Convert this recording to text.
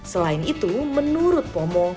selain itu menurut pomo